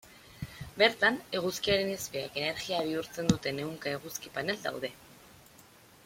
Bertan, eguzkiaren izpiak energia bihurtzen duten ehunka eguzki panel daude.